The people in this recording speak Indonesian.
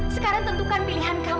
sekarang tentukan pilihan kamu